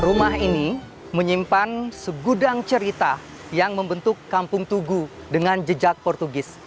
rumah ini menyimpan segudang cerita yang membentuk kampung tugu dengan jejak portugis